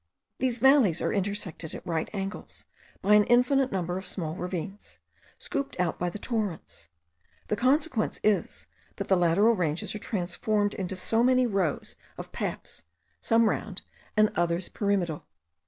These valleys are intersected at right angles by an infinite number of small ravines, scooped out by the torrents: the consequence is, that the lateral ranges are transformed into so many rows of paps, some round and others pyramidal.